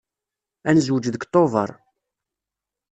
Ad nezweǧ deg Tubeṛ.